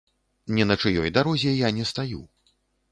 Ні на чыёй дарозе я не стаю.